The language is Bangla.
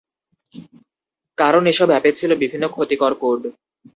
কারণ এসব অ্যাপে ছিল বিভিন্ন ক্ষতিকর কোড।